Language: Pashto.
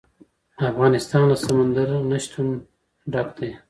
افغانستان له سمندر نه شتون ډک دی.